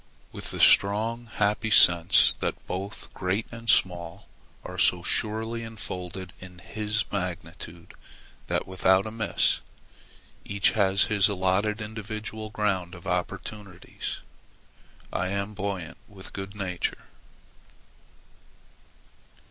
With the strong, happy sense that both great and small are so surely enfolded in His magnitude that, without a miss, each has his allotted individual ground of opportunities, I am buoyant with good nature.